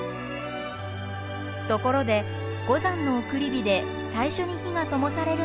ところで五山の送り火で最初に火がともされるのがこの大文字山。